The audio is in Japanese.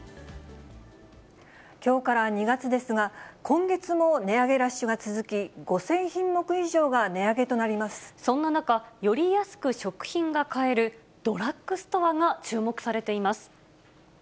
きょうから２月ですが、今月も値上げラッシュが続き、５０００品目以上が値上げとなりそんな中、より安く食品が買える、ドラッグストアが注目されています。